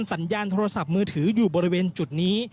สัญญาณโทรศัพท์มือถืออยู่บริเวณจุดนี้